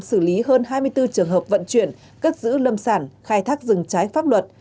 xử lý hơn hai mươi bốn trường hợp vận chuyển cất giữ lâm sản khai thác rừng trái pháp luật